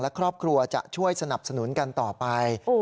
และครอบครัวจะช่วยสนับสนุนกันต่อไป